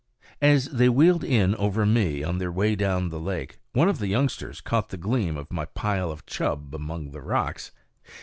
As they wheeled in over me on their way down the lake, one of the youngsters caught the gleam of my pile of chub among the rocks.